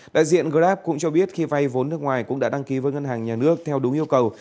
đại diện grab cũng cho biết khi vay vốn nước ngoài cũng đã đăng ký với ngân hàng nhà nước theo đúng yêu cầu